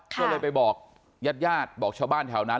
เพิ่งเลยไปบอกญาติบอกชาวบ้านแถวนั้น